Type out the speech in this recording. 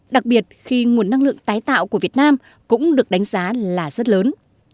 đặc biệt khi nguồn năng lượng tái tạo của việt nam cũng được đánh giá là rất lớn